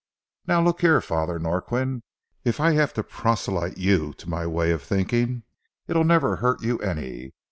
Now, look here, Father Norquin, if I have to proselyte you to my way of thinking, it'll never hurt you any.